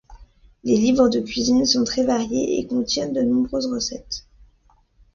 Les livres de cuisine sont très variés et contiennent de nombreuses recettes.